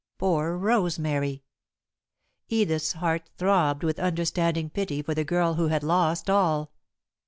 Poor Rosemary! Edith's heart throbbed with understanding pity for the girl who had lost all.